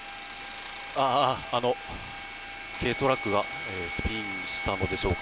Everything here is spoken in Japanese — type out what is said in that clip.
軽トラックがスピンしたのでしょうか